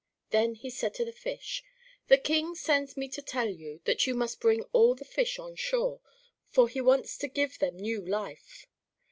Then he said to the fish, "The King sends me to tell you that you must bring all the fish on shore, for he wants to give them new life."